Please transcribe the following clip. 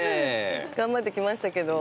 頑張ってきましたけど。